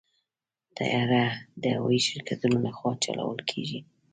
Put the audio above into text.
طیاره د هوايي شرکتونو لخوا چلول کېږي.